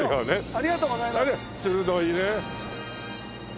ありがとうございます。